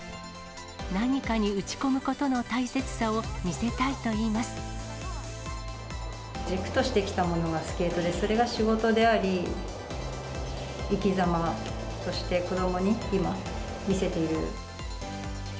何かに打ち込むことの大切さを見軸としてきたものがスケートで、それが仕事であり、生き様として、子どもに今、見せている。